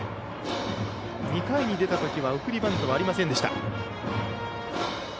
２回に出たときは送りバントはありませんでした。